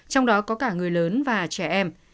trong đó có cả người lớn và trẻ em